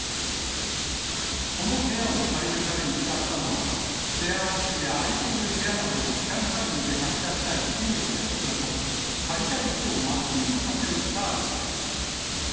この部屋を借りるために使ったのは、シェアオフィスや空いている部屋などを時間単位で貸し出したい企業や人と借りたい人をマッチングさせるサービスです。